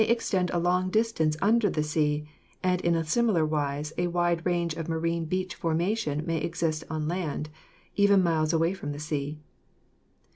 extend a long distance under the sea, and in similar wise a wide range of marine beach formation may exist on land, even miles away from the sea.